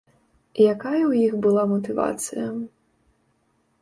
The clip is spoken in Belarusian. Якая ў іх была матывацыя?